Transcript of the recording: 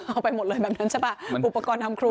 เอาไปหมดเลยแบบนั้นใช่ป่ะอุปกรณ์ทำครัว